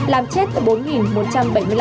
làm chết bốn người